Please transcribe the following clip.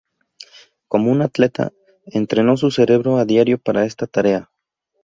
Como un atleta, entrenó su cerebro a diario para esta tarea.